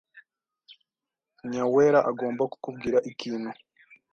Nyawera agomba kukubwira ikintu.